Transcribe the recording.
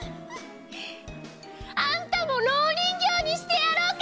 あんたもろうにんぎょうにしてやろうか！